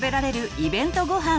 イベントごはん」。